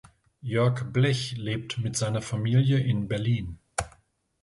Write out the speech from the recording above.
Jörg Blech lebt mit seiner Familie in Berlin.